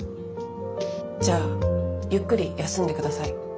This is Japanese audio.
じゃあゆっくり休んで下さい。